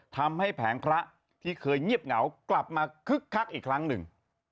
แผงพระที่เคยเงียบเหงากลับมาคึกคักอีกครั้งหนึ่ง